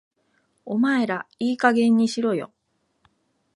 お前らいい加減にしろよ